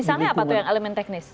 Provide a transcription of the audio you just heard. jadi apa tuh yang elemen teknis